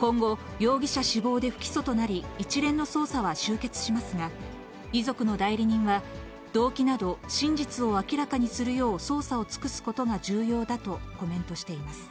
今後、容疑者死亡で不起訴となり、一連の捜査は終結しますが、遺族の代理人は、動機など、真実を明らかにするよう捜査を尽くすことが重要だとコメントしています。